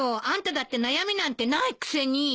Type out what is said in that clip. あんただって悩みなんてないくせに。